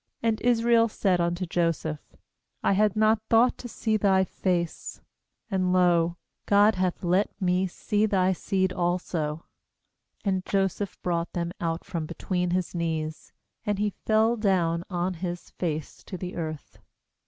uAnd Israel said unto Joseph: ' I had not thought to see thy face; and, lo, God hath let me see thy seed also/ ^And Joseph brought them out from between his knees; and he fell down on his face to the earth.